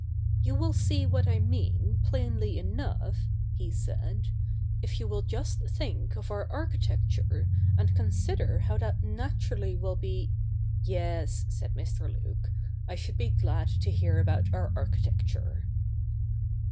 ' You will see what I mean, plainly enough,' he said, ' if you will just think of our architecture, and consider how that naturally will be '' Yes,' said Mr. Luke, ' I should be glad to hear about our architecture.'